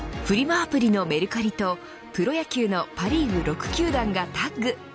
アプリのメルカリとプロ野球のパ・リーグ６球団がタッグ。